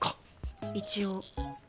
一応。